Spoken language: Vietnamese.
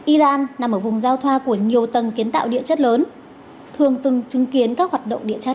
iran nằm ở vùng giao thoa của nhiều tầng kiến tạo địa chất lớn thường từng chứng kiến các hoạt động địa chất